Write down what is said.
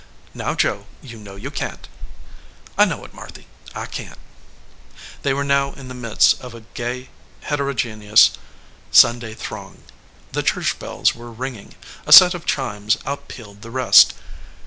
"Now, Joe, you know you can t." "I know it, Marthy. I can t." They were now in the midst of a gay, heterogene ous Sunday throng. The church bells were ring ing. A set of chimes outpealed the rest.